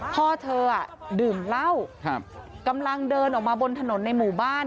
พ่อเธอดื่มเหล้ากำลังเดินออกมาบนถนนในหมู่บ้าน